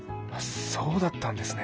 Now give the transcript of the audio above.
そうだったんですね。